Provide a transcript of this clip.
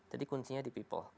jadi kuncinya di people